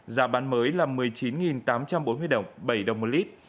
giá bán mới là một mươi chín tám trăm bốn mươi đồng bảy đồng một lít